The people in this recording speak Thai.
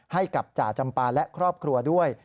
ให้กับจ่าจำปาและครอบครัวด้วย